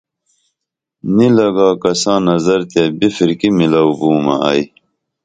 نی لگا کساں نظر تیہ بِپھرکی میلو بومہ ائی